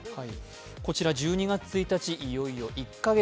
こちら１２月１日、いよいよ１カ月。